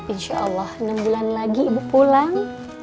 insya allah enam bulan lagi ibu pulang